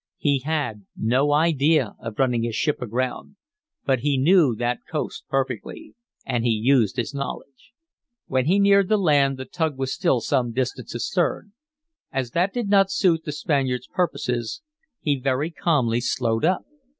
He had no idea of running his ship aground; but he knew that coast perfectly, and he used his knowledge. When he neared the land the tug was still some distance astern. As that did not suit the Spaniard's purposes, he very calmly slowed up.